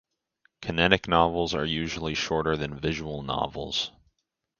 Kinetic novels are usually shorter than visual novels.